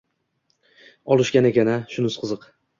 Olishgan ekan-a? Shunisi qiziq!